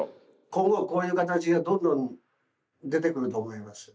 今後こういう形がどんどん出てくると思います。